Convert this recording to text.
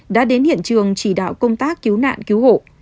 đã đến hiện trường chỉ đạo công tác cứu nạn cứu hộ